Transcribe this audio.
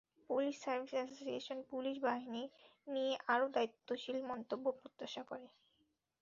Police service association police বাহিনী নিয়ে আরও দায়িত্বশীল মন্তব্য প্রত্যাশা করে।